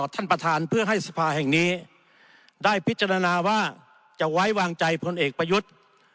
ท่านประธานเพื่อให้สภาแห่งนี้ได้พิจารณาว่าจะไว้วางใจพลเอกประยุทธ์